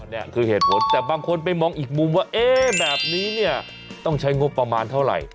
นี่คือเหตุผลแต่บางคนไปมองอีกมุมว่าเอ๊ะแบบนี้เนี่ยต้องใช้งบประมาณเท่าไหร่